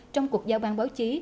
trong cuộc giao ban báo chí